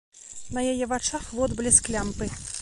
На яе вачах водблеск лямпы.